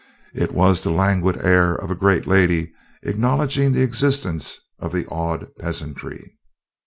It was the languid air of a great lady acknowledging the existence of the awed peasantry.